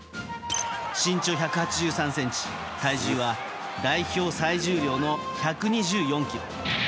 身長１８３ｃｍ体重は代表最重量の１２４ｋｇ。